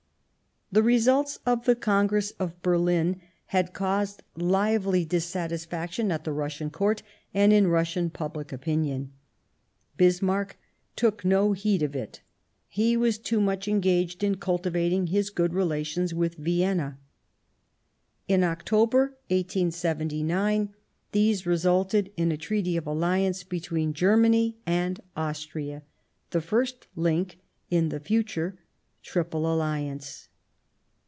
The results of the Congress of Berlin had caused 187 Bismarck lively dissatisfaction at the Russian Court and in Russian public opinion. Bismarck took no heed of it ; he was too much engaged in culti Slance^ vating his good relations with Vienna. In October 1879 these resulted in a Treaty of Alliance between Germany and Austria, the first link in the future Triple Alliance.